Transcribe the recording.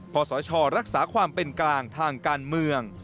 สชรักษาความเป็นกลางทางการเมือง